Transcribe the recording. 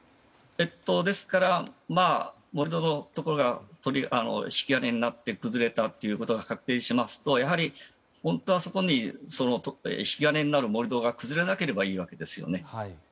ですから盛り土のところが引き金になって崩れたということが確定しますと本当は引き金になる盛り土が崩れなければいいわけですよね。